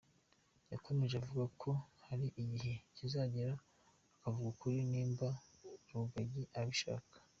Yakomeje avuga ko hari igihe kizagera akavuga ukuri niba Rugagi abishaka.